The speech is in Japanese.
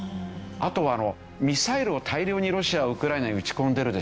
あとミサイルを大量にロシアはウクライナに撃ち込んでるでしょ？